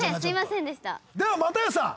では又吉さん。